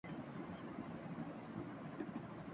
کیا یہ آپ کو پَسند آیا؟